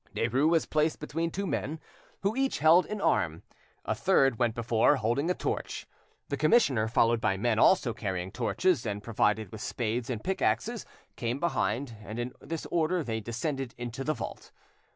Derues was placed between two men who each held an arm. A third went before, holding a torch. The commissioner, followed by men also carrying torches, and provided with spades and pickaxes, came behind, and in this order they descended to the vault.